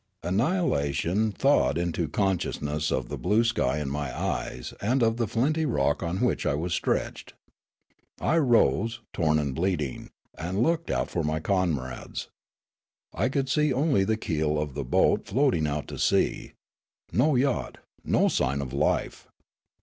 Annihilation thawed into consciousness of the blue skj' in my eyes and of the flinty rock on which I was stretched. I rose, torn and bleeding, and looked out for my comrades. I could see onl\' the keel of the boat floating out to sea ; no yacht, no sign of life.